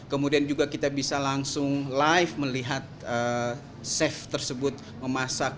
kemudian juga kita bisa langsung live melihat chef tersebut memasak